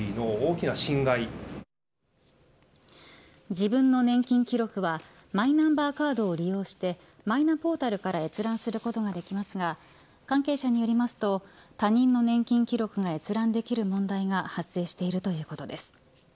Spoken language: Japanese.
自分の年金記録はマイナンバーカードを利用してマイナポータルから閲覧することができますが関係者によりますと他人の年金記録が閲覧できる問題が発生しているということです。